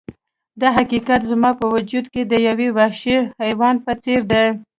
دا حقیقت زما په وجود کې د یو وحشي حیوان په څیر دی